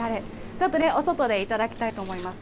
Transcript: ちょっとお外で頂きたいと思います。